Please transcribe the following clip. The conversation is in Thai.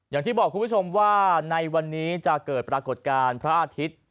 อย่างที่บอกคุณผู้ชมว่าในวันนี้จะเกิดปรากฏการณ์พระอาทิตย์